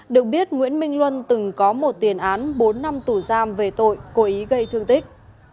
được biết nguyễn minh luân từng có một tiền án bốn năm tù giam về tội cố ý gây thương tích